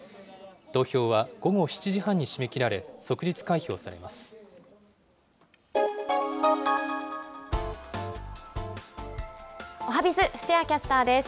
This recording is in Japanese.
投票は午後７時半に締め切られ、即日開票されます。